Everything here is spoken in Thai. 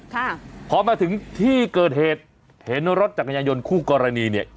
ค่ะพอมาถึงที่เกิดเหตุเห็นรถจักรยายนคู่กรณีเนี่ย